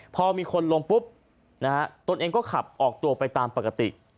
พอมีคนลงปุ๊บนะฮะตนเองก็ขับออกตัวไปตามปกติ